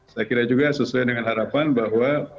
saya kira juga sesuai dengan harapan bahwa